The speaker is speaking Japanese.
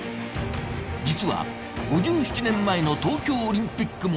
実は、５７年前の東京オリンピックも